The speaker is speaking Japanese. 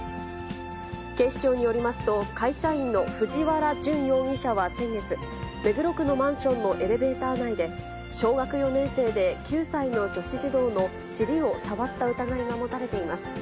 警視庁によりますと、会社員の藤原淳容疑者は先月、目黒区のマンションのエレベーター内で、小学４年生で９歳の女子児童の尻を触った疑いが持たれています。